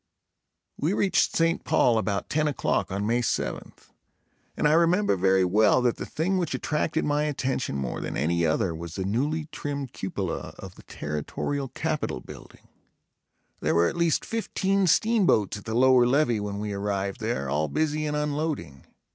We reached St. Paul about ten o'clock on May seventh and I remember very well that the thing which attracted my attention more than any other was the newly trimmed cupola of the Territorial Capitol building. There were at least fifteen steamboats at the lower levee when we arrived there, all busy in unloading.